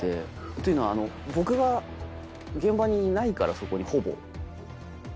というのは僕が現場にいないからそこにほぼ。